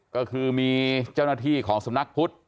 ก็คือมีเจ้าหน้าที่ของสำนักพุทธ